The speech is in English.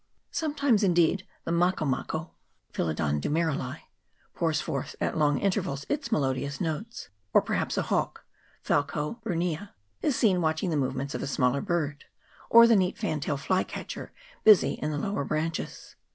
Sometimes, indeed, the mako mako 1 pours forth at long intervals its melodious notes ; or perhaps a hawk 2 is seen watching the movements of a smaller bird ; or the neat fan tail flycatcher busy in the lower branches.